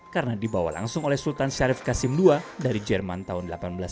karena dibawa langsung oleh sultan syarif qasim ii dari jerman tahun seribu delapan ratus sembilan puluh enam